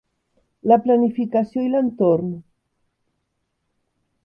La planificació i l'entorn